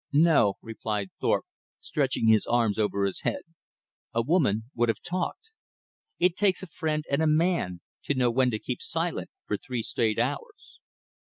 "No," replied Thorpe, stretching his arms over his head, "a woman would have talked. It takes a friend and a man, to know when to keep silent for three straight hours."